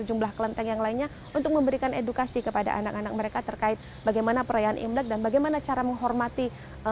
jumlah kelenteng yang lainnya untuk memberikan edukasi kepada anak anak mereka terkait bagaimana perayaan imlek dan bagaimana cara menghormati